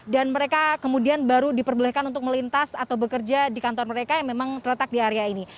dan mereka kemudian baru diperbolehkan untuk melintas atau bekerja di kantor mereka yang memang terletak di area ini